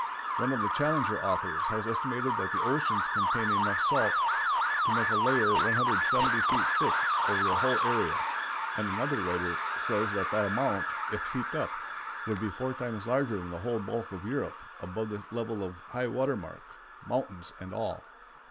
One of the Challenger authors has estimated that the oceans contain enough salt to make a layer 170 feet thick over their whole area, and another writer says that the amount, if heaped up, would be four times larger than the whole bulk of Europe above the level of high water mark, mountains and all.